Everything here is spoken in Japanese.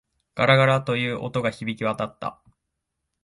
ガラガラ、という音が響き渡った。